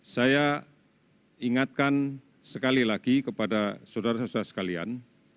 saya ingatkan sekali lagi kepada saudara saudara sekalian